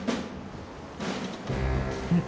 うん？